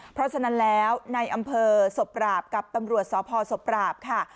เพราะฉะนั้นแล้วในอำเภอศพปราบกับตำรวจสพศพปราบค่ะ